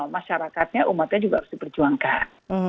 masyarakatnya umatnya juga harus diperjuangkan